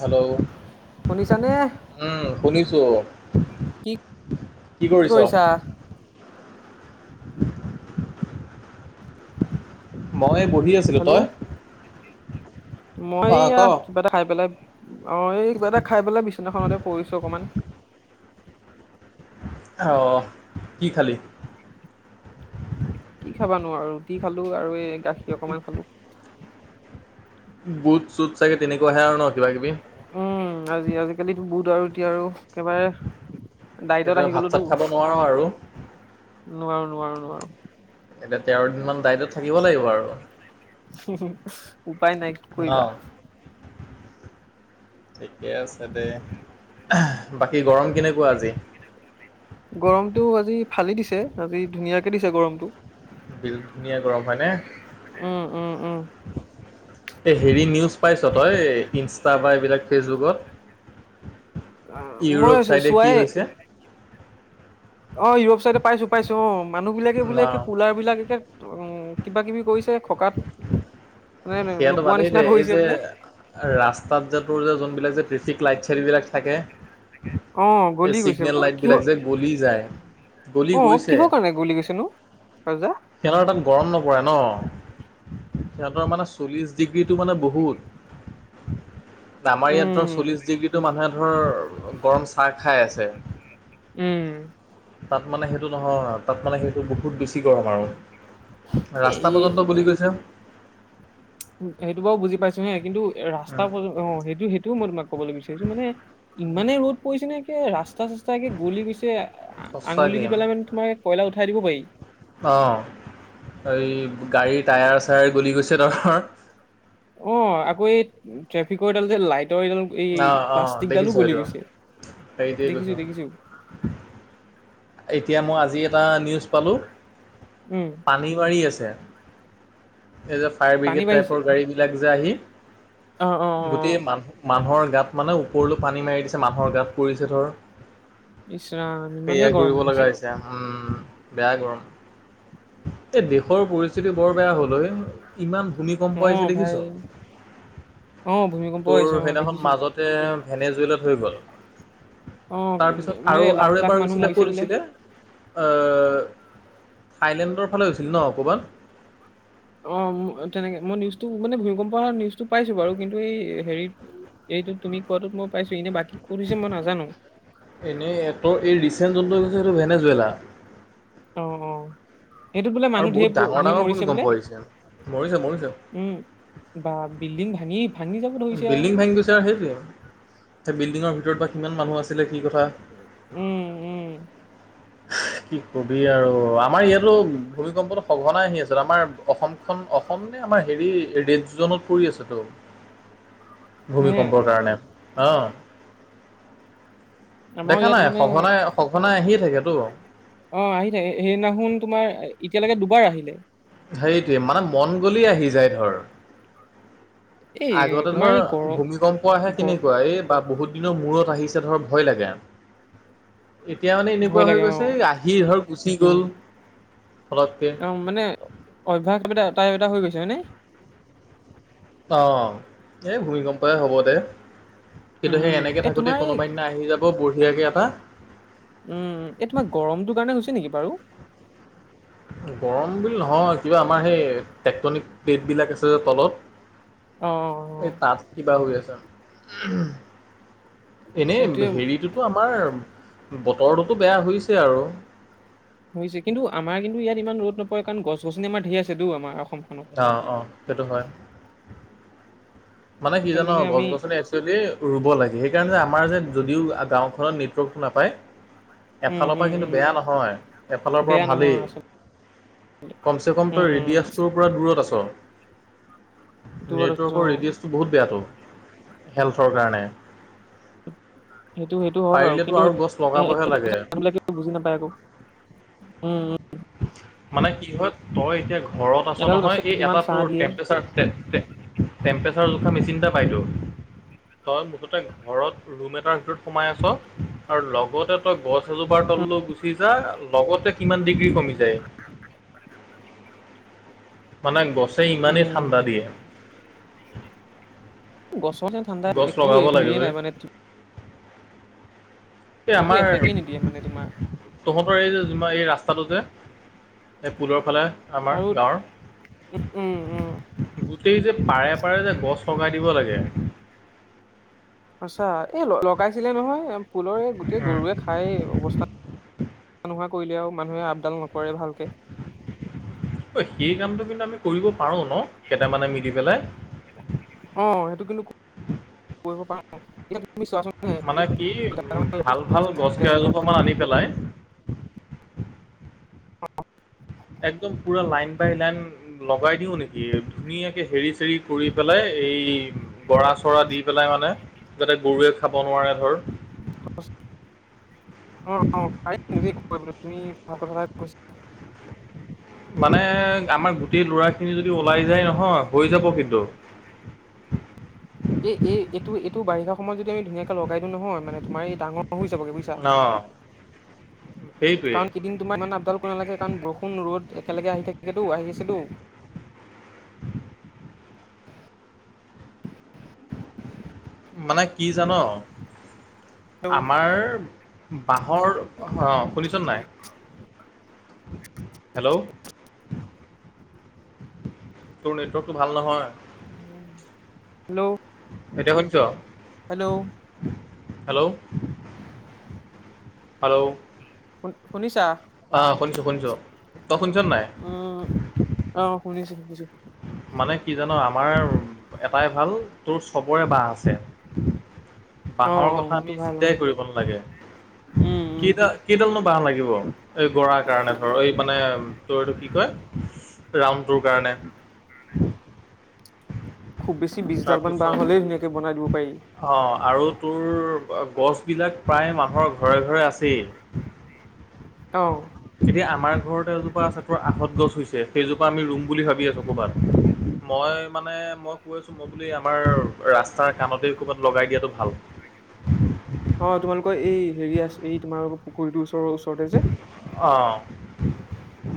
Hello, শুনিছানে? উম শুনিছো। কি কি কৰিছ। কৰিছা? [unintelligible] মই বহি আছিলো তই হেল্ল' মই অ ক এয়া কিবা এটা খাই পেলাই- অ এই কিবা এটা খাই পেলাই বিছনাখনতে পৰিছো অকনমান। অ কি খালি। খাবা নোৱাৰো ৰুটি খালো আৰু এই গাখীৰ অকমান খালো। বুট চুট চাগে তেনেকুৱাহে আৰু ন কিবা কিবি। উম আজি আজিকালি বুত আৰু এতিয়া আৰু। ডাইটত সেইটো আহি ভাত চাত খাব নোৱাৰো আৰু নোৱাৰোঁ, নোৱাৰোঁ, নোৱাৰোঁ। এতিয়া তেৰ দিন মান ডাইটত থাকিব লাগিব আৰু। উম উপায় নাই কি ন কৰিবা। ঠিকে আছে দেেই বাকী গৰম কেনেকুৱা আজি। গৰমতটো আজি ফালি দিছে আজি ধুনীয়াকে দিছে গৰমটো। বিল ধুনীয়া গৰম হয় নে? উম, উম, উম, এ হেৰি নিউজ পাইছ তই ইনষ্টা বা এইবিলাক ফেচবুকত। অ', মই ইউৰোপ চো চাইডে কি চোৱাই হৈছে অ, ইউৰোপ চাইডে পাইছো - পাইছো অ, মানুহ বিলাকে বোলে ন একে কুলাৰ বিলাক একে উম, কিবা কিবি কৰিছে খকাত। মানে সেইয়াতো নোপোৱা বাদেই নিচিনা দে, এই কৰিছে যে বোলে ৰাস্তাত যে তোৰ যে যোনবিলাক যে ট্ৰেফিক লাইট চাইট বিলাক থাকে। অ এই গলি গৈছে চিগনেল অ লাইট কিহ বিলাক যে গলি যায়। গলি অ গৈছে, কিহৰ কাৰণে গলি গৈছেনো ৰজা সিহতৰ তাত গৰম নপৰে নহ। সিহতৰ মানে চল্লিশ ডিগ্ৰীটো মানে বহুত। আমাৰ ইয়াত ধৰ উম চল্লিশ ডিগ্ৰীতো মানুহে ধৰ গৰম চাহ খাই আছে। উম তাত মানে সেইটো নহয়, তাত মানে সেইটো বহুত বেছি গৰম আৰু। ৰাস্তা এই পৰ্যন্ত গলি গৈছে। উম, সেইটো বাৰু বুজি পাইছো হে কিন্তু ৰাস্তা উম, পয অ, সেইটো সেইটোও মই তোমাক কবলৈ বিচাৰিছো, মানে ইমানেই ৰ'দ পৰিছেনে একে ৰাচ স্তা চাস্তা গলি গৈছে, সঁচাকে আঙুলি দি পেলাই মানে তোমাৰ কয়লা উঠাই দিব পাৰি। অ, এই গাড়ীৰ টায়াৰ চায়াৰ গলি গৈছে নহয়। অ', আকৌ এই ট্ৰেফিকৰ এইডাল যে লাইট এইডাল এই অঁ অঁ প্লাষ্টিকডালো দেখিছোঁ গলি সেইটো গৈছে। সেইটোৱে কৈছো দেখিছোঁ, দেখিছোঁ। এতিয়া মই আজি এটা নিউজ পালোঁ, উম পানী বাঢ়ি আছ এই যে ফায়াৰ পানী ব্ৰিগেড বাঢ়িছে টাইপৰ গাড়ী বিলাক যে আহি অ অ অ গোটেই মানু - মানুহৰ গাত মানে ওপৰলৈ পানী মাৰি দিছে, মানুহৰ গাত পৰিছে ধৰ ইচ ৰাম সেয়া ইমানেই গৰম। কৰিব লগা হৈছে, উম। বেয়া গৰম। এই দেশৰ পৰিস্থিতি বৰ বেয়া হ'ল অই, ইমান অ', ভূমিকম্প আহিছে ভাই দেখিছ? অ', ভূমিকম্প তোৰ আহিছে অ', সেইদিনাখন দেখিছো মাজতে ভেনেজুইলত হৈ গ'ল। অ', তাৰপিছত আৰু, মানে লাখ আৰু লাখ এবাৰ মানুহ হৈছিলে মৰিছে ক'ত বোলে। হৈছিলে? অ', থাইলেণ্ডৰ ফালে হৈছিল নহ ক'ৰবাত। অ', তেনেকে মই নিউজটো মানে ভূমিকম্প অহাৰ নিউজটো পাইছো বাৰু, কিন্তু এই হেৰি এইটো তুমি কোৱাটোত মই পাইছো, এনেই বাকী ক'ত হৈছে মই নাজানো এনেই এটৰ এই ৰিচেণ্ট যোনটো হৈছে সেইটো ভেনেজুৱেলা অ', অ'। সেইটোত বোলে আৰু মানুহ বহুত ধেৰ ডাঙৰ ধেৰ ডাঙৰ মৰিছে ভূমিকম্প বোলে আহিছে। মৰিছে মৰিছে উম, অহ। বিল্ডিং ভাঙি ভাঙি যাব ধৰিছে আৰু বিল্ডিং ভাঙি গৈছে আৰু সেইটোয়ে, সেই বিল্ডিঙৰ ভিতৰত বা কিমান মানুহ আছিলে কি কথা? উম, উম, [unintelligible] কি কবি আৰু? আমাৰ ইয়াতো ভূমিকম্পটো সঘনাই আহি আছে আমাৰ অসমখন অসম নে আমাৰ হেৰি ৰেড জ'নত পৰি আছেতো হে ভূমিকম্পৰ কাৰণে, অহ আমাৰো দেখা ইয়াত নাই মানে সঘনাই, সঘনাই আহিয়েই থাকেতো অ', আহি থাকে, সেইদিনাখন তোমাৰ, এতিয়ালৈকে দুবাৰ আহিলে সেইটোৱেই, মানে মন গ'লেই আহি যায়, ধৰ, এই আগতে তোমাৰ ধৰ, এই গৰম ভূমিকম্প আহে গ কেনেকুৱাএই বা বহুত দিনৰ মূৰত আহিছে ধৰ ভয় লাগে, এতিয়া মানে ভয় এনেকুৱা হৈ লাগে গৈছে, অ'। আহি ধৰ গুচি গ'ল ফতকতে অ মানে অভ্যাস [unintelligible] টাই এটা হৈ গৈছে হয়নে। অ', এই ভূমিকম্পই হ'ব দে। কিন্তু সেই উম এনেকেই এই থাকোতে তোমাৰ এই কোনোবা দিনা আহি যাব বঢ়িয়াকে এটা উম, এই তোমাৰ গৰমটোৰ কাৰণে হৈছে নেকি বাৰু? গৰম বুলি নহয়, কিবা আমাৰ সেই টেক্টনিক প্লেটবিলাক আছে যে, অ তলত। এই তাত কিবা হৈ আছে। এইটোয়ে এনেই হেৰিটোতো আমাৰ, বতৰটোতো বেয়া হৈছে আৰু। হৈছে কিন্তু, আমাৰ কিন্তু ইয়াত ইমান ৰ'দ নপৰে। কাৰণ গছ, গছনি আমাৰ ধেৰ আছেতো আমাৰ অসমখনত অ', অ', সেইটো হয়। মানে কি একদম জানো, আমি গছ-গছনি একচুৱেলি ৰুব লাগে। স [unintelligible] যে, আমাৰ যে, যদিও গাঁওখনত নেটৱৰ্কটো নাপায় উম এফালৰ উম পৰা কিন্তু উম বেয়া নহয়। এফালৰ পৰা বেয়া নহয় ভালেই। আচল কমচে কম উম তই উম ৰেডিয়াছটোৰ পৰা দূৰত আছ। নেটৱৰ্কৰ [unintelligible] [unintelligible] হেল্থৰ কাৰণে। সেইটো, সেইটো হয় বাৰু পাৰিলেতো কিন্তু আৰু গছ এ লগাবহে লাগে সেইানবাকে বুজি নাপায় আকৌ। উম', উম'। মানে কি হয়, তই এতিয়া ঘৰত আছ এডাল নহয় গছে এই কিমান এটা ত, ছাঁ দিয়ে টেম্পচাৰম [unintelligible] মেচিন এটা পাইতো। তই মুঠতে ঘৰত ৰুম এটাৰ ভিতৰত সোমাই আছ, আৰু লগতে তই গছ জোপাৰ তলো গুচি যা, লগতে কিমান ডিগ্ৰী কমি যায়। মানে গছে ইমানেই ঠাণ্ডা উম দিয়ে। গছৰ ঠাণ্ডা গছ লগাব একোৱে লাগে হেৰিয়ে ঐ নাই মানে এই একো আমাৰ, এফেক্টে নিদিয়ে মানে তোমাৰ তহঁতৰ এই যে, [unintelligible] এই ৰাস্তাটো যে এই পুলৰ ফালে আমাৰ আৰু গাঁৱৰ, উম উম গোটেই যে, পাৰে পাৰে যে, গছ লগাই দিব লাগে। সঁচা এই ল-লগাইছিলে নহয় পুলৰ এই গোটেই গৰুৱে ঐ খাই অৱস্থা ‌নোহোৱা কৰিলেও মানুহে আপডাল নকৰে ভালকে। অই, সেই কামটো কিন্তু আমি কৰিব পাৰোঁ ন' কেইটামানে মিলি পেলাই। অ', সেইটো কিন্তু কৰিব প না মানে কি? উম, ভাল, ৰাস্তাটো যে ভাল গছ চাইডে হয়। কেইজোপা মান আনি পেলাই [unintelligible] একদম পুৰা লাইন বাই লাইন লগাই দিওঁ নিকি? ধুনীয়াকে হেৰি, চেৰি কৰি পেলাই। এই বৰা-চৰা দি পেলাই মানে। যাতে গৰুৱে খাব নোৱাৰে ধৰ। অ', [inaudible] [unintelligible] মানে, আমাৰ গোটেই ল'ৰা খিনি যদি ওলাই যায় নহয়, হৈ যাব কিন্তু। এ, এই এইটো, এইটো বাৰিষা সময়ত যদি আমি ধুনীয়াকে লগ [unintelligible] নহয়, মানে তোমাৰ এই ডাঙৰ হৈ যাবগে বুজিছা। স কাৰণ কেইদিন তোমাৰ মানে আপডাল কৰিব নালাগে। কাৰণ বৰুণ-ৰ'দ একেলগে আহি থাকেতো, আহি আছেতো। মানে কি জান হেল্ল' আমাৰ বাঁহৰ, অ' শুনিছনে নাই? হেল্ল' তোৰ নেটৱৰ্কটো ভাল নহয়। হেল্ল'। এতিয়া শুনিছ'? হেল্ল'। হেল্ল'। হেল্ল'। শুন-শুনিছা? আহ শুনিছো শুনিছো, তই শুনিছ নাই? শুনিছোঁ শুনিছোঁ মানে কি জান আমাৰ এটাই ভাল তোৰ চবৰে বাঁহ আছে। অ বাঁহৰ অ কথা আমি সেইটো ভাল অ চিন্তাই কৰিব নালাগে উম উম কিডাল কিডালনো বাঁহ লাগিব এই গৰাৰ কাৰণে ধৰ এই মানে টো কি কয় ৰামটোৰ কাৰণে খুব বেছি বিশডাল মান বাঁহ তাৰপিছত হলেই ধুনীয়াকে বনাই দিব পাৰি অ', আৰু তোৰ গছবিলাক প্ৰায় মানুহৰ ঘৰে ঘৰে আছিল। অ এতিয়া আমাৰ ঘৰত এজোপা চাতৰ আহত গছ হৈছে সেইজোপা আমি ৰুম বুলি ভাবি আছোঁ ক'ৰবাত মই মানে মই কৈ আছোঁ মই বুলি আমাৰ ৰাস্তাৰ কাণতে ক'ৰবাত লগাই দিয়াটো ভাল উ। অ', তোমালোকৰ এই হেৰি আছে এই তোমালোকৰ পুখুৰীতটো ওচৰ ওচৰতে যে অ'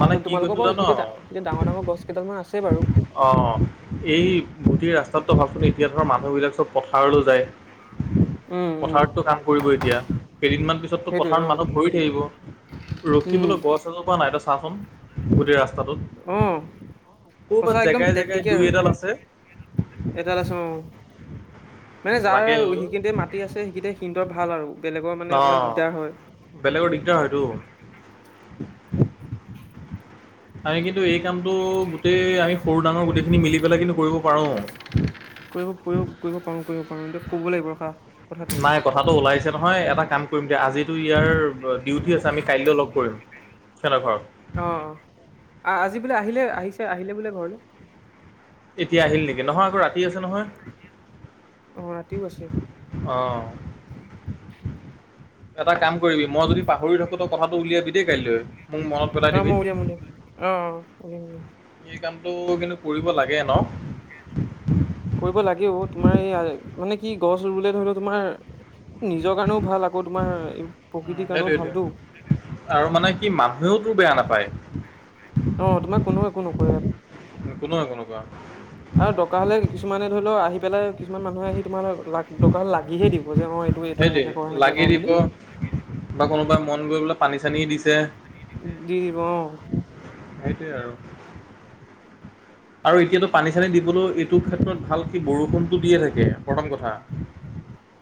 মানে তাতো কি তোমালোকৰ কৈছোঁ বাৰু জান অ' এইখেইতে ডাঙৰ ডাঙৰ গছ কেইদালান আছে বাৰু। অ', এই গোটেইৰ ৰাস্তাততো ভাবচোন এতিয়া ধৰ মানুহবিলাক চব পথাৰলৈ যায়। উম উম পথাৰতটো কাম কৰিব এতিয়া কেইদিনমান পিছতো সেইটোৱে অ পথাৰত মানুহ ভৰি থাকিব উম ৰখিবলৈ গছ এজোপা নাই তই চাচোন গোটেই ৰাস্তা অ সঁচা ক'বাত জেগাই জেগাই দুই এডাল আছে। এটালছ [unintelligible] মানে যাৰ লাগে অ' সেইখিনতে মাটি আছে সেইখিনি ভাল আৰু। বেলেগৰ মানে অ অকণমান দিগদাৰ হয় বেলেগৰ দিগদাৰ হয়টো আমি কিন্তু এই কামতটো গোটেই আমি সৰু ডাঙৰ গোটেইখিনি মিলি পেলাই কিন্তু কৰিব পাৰো। কৰিব কৰিব কৰিব পাৰোঁ কৰিব পাৰোঁ এতিয়া ক'ব লাগিব ৰখা কথাটো নাই কথাটো ওলাইছে নহয় এটা কাম আজিতো ইয়াৰ ডিউটি আছে আমি কাইলৈ লগ কৰিম হেতৰ ঘৰত অ আজি বোলে আহিল আহিলে বোলে ঘৰলৈ। এতিয়া আহিল নেকি নহয় আকৌ ৰাতি আছে নহয় অ ৰাতিও আছে। অঁ এটা কাম কৰিবি মই যদি পাহৰি থাকো তই কথাটো উলিয়াবি দেই কাইলৈ। মোক মনত পেলাই কাৰণ দিবি। মই উলিয়াম অ উলিয়াম এই কামটো কিন্তু কৰিব লাগে ন'। কৰিব লাগেও তোমাৰ এই মানে কি গছ ৰুবলে ধৰি লও তোমাৰ নিজৰ কাৰণেও ভাল আকৌ তোমাৰ এই উম প্ৰকৃতিৰ কাৰণেও সেইটোৱেইটো। ভালটো কোনেওতো বেয়া নাপায় অ তোমাক কোনো একো নকৰে ইয়াত কোনোৱে কোনোবা আও দকা হ'লে কিছুমানে ধৰি লও আহি পেলাই কিছুমান মানুহে আহি তোমাৰ টকা লাগিহে দিওঁ। সেইটোৱে লাগি দিব বা কোনোবাই মন গৈ বোলে পানী চানী দিছে। দিব অ। সেইটোৱে আৰু। আৰু এতিয়াতো পানী চানী দিবলৈও এইটো ক্ষেত্ৰত ভাল কি বৰষুণটো দিয়ে থাকে প্ৰথম কথা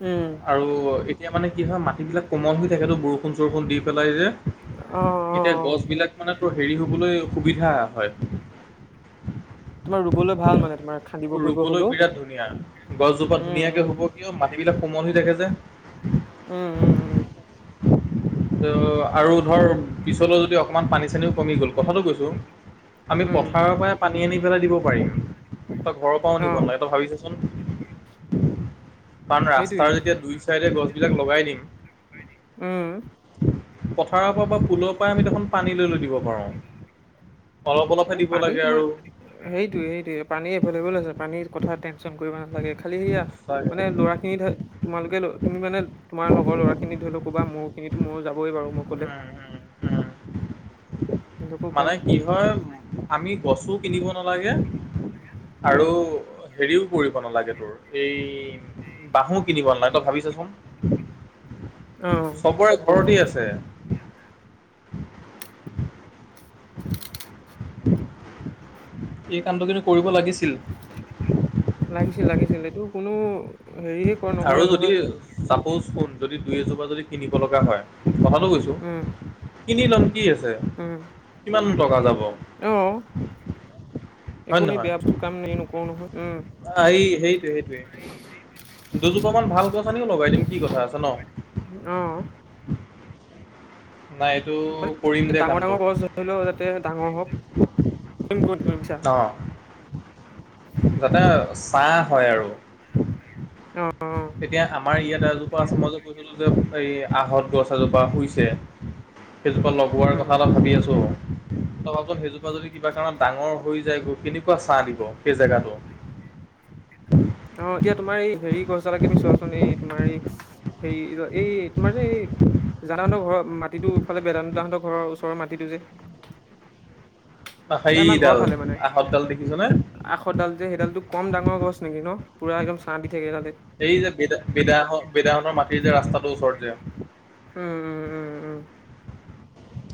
উম আৰু এতিয়া মানে কি হয় মাটিবিলাক কোমল হৈ থাকেতো বৰষুণ চৰষুণ দি পেলাই যে। অ অ অ এতিয়া গছ বিলাক মানে হেৰি শুবলৈ সুবিধা হয়। তোমাৰ ৰুবলৈ ভাল মানে তোমাৰ। খান্দিব কৰিব ৰুবলৈ হলেও বিৰাট ধুনীয়া, গছজোপা উম ধুনীয়াকে উম হ'ব কিয় মাটিবিলাক কোমল হৈ থাকে যে। উম উম উম। আৰু ধৰ পিছলৈ যদি অকণমান পানী চানীও কমি গ'ল কথাটো কৈছো। আমি উম পথাৰৰ পৰাই পানী আনি পেলাই দিব পাৰিম। তই ঘৰৰ পৰাও অ নিব নালাগে। তই ভাৱি চা। কাৰণ সেইটোৱেই ৰাস্তাৰ যেতিয়া দুই চাইডে গছ- বিলাক লগাই দিম উম। পথাৰৰ পৰা বা পুলৰ পৰা আমি দেখোঁন পানী লৈ লৈ দিব পাৰোঁ। অলপ অলপহে এহ, দিব পানী লাগে তোমাৰ, আৰু। সেইটোৱে সেইটোৱে পানী এভেইলেবল আছে, পানীৰ কথা টেনচন কৰিব নালাগে। খালি সেইয়া, সঁচাকে। মানে ল'ৰাখিনি তোমালোকে তুমি মানে, তোমাৰ লগৰ ল'ৰাখিনিক তুমিতো ক'বা, মোৰখিনিক মোৰ যাবই বাৰু মই ক'লে। উম, উম, উম। সিহঁতকো ক'ম মানে কি হয়, আমি গছো কিনিব নালাগে আৰু উম হেৰিও কৰিব নালাগে তোৰ, এই বাহু কিনিব নালাগে, তই ভাৱি চাচোন। অ সবৰে ঘৰতেই আছে। [unintelligible] এই কামটো কিন্তু কৰিব লাগিছিল। লাগিছিল, লাগিছিল এইটো কোনো হেৰিয়ে কৰ আৰু নকৰে যদি নহয় চাপ'চ শুন, যদি দুই-এজোপা যদি কিনিব লগা হয়, কথটো কৈছো, উম কিনি ল'ম। কি আছে, উম কিমাননো টকা যাব! হয় অ', একো নে আমি নহয়? বেয়াটো কাম নকৰোঁ নহয়। উম। এই সেইটোৱে সেইটোৱে। দুজোপামান ভাল গছ আনিও লগাই দিম। কি কথা আছে ন? অ নাই এইটো কৰিম দে কামটো ডাঙৰ-ডাঙৰ গছ ৰুলেও যাতে ডাঙৰ হওক। ক'ত কৰিম ভাৱিছা? অঁ যাতে ছাঁ হয় আৰু অ অ এতিয়া আমাৰ ইয়াত এজোপা আছে, মই যে কৈছিলো যে এই আহঁত গছ এজোপা হৈছে। সেইজোপা লগোৱাৰ উম কথা এটা ভাৱি আছোঁ আৰু। তহঁতৰ সেইজোপা যদি কিবা কাৰণত ডাঙৰ হৈ যায়গৈ, কেনেকুৱা ছাঁ দিব, সেই জেগাটোত। [unintelligible] অ', এতিয়া তোমাৰ এই হেৰি গছডালকে তুমি চোৱাচোন, এই তোমাৰ এই সেই, এই তোমাৰ যে এই জানদাহঁতৰ ঘৰৰ মাটিটো ফালে বেদান্তহঁতৰ ঘৰৰ ওচৰৰ মাটিটো যে [inaudible] এ', আমাৰ ঘৰৰ হেৰিডাল ফালে মানে, আহঁতডাল দেখিছনে কাষৰডাল যে সেইডালটো কম ডাঙৰ গছ [unintelligible] ন, পুৰা একদম ছাঁ দি থাকে সেইডালে এই যে বিদা, বিদাহঁত, বিদাহঁতৰ মাটিৰ যে ৰাস্তাটোৰ ওচৰত যে। উম, উম, উম, উম।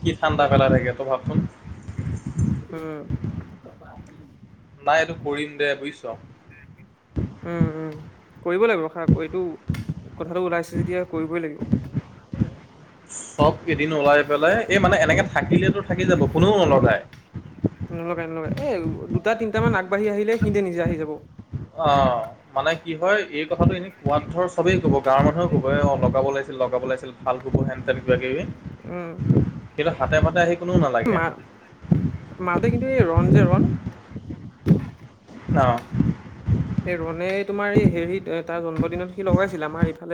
কি ঠাণ্ডা পেলাই থাকে তই ভাৱচোন! উম। নাই, এইটো কৰিম দে বুজিছ? উম, উম, কৰিব লাগিব। [unintelligible] এইটো কথাটো ওলাইছে যেতিয়া কৰিবই লাগিব। [inaudible] সব এদিন ওলাই পেলাই এই মানে এনেকে থাকিলেতো থাকি যাব, কোনেও নলগায়। নলগাই, নলগাই। এ', দুটা-তিনিটা মান আগবাঢ়ি আহিলে সিহঁতে নিজে আহি যাব। অ', মানে কি হয়, এই কথাটো এনে কোৱাত ধৰ, সবেই ক'ব, গাঁৱৰ মানুহেও ক'ব, অ', লগাব লাগিছিল, লগাব লাগিছিল। ভাল কপোৰ হেন-তেন, কিবা-কিবি, উম কিন্তু হাতে পাতে আহি কোননেও নালাগে মাতে কিন্তু এই ৰণ যে ৰণ অ'। এই ৰণে, তোমাৰ এই হেৰিত তাৰ জন্মদিনত সি লগাইছিল আমাৰ ইফালে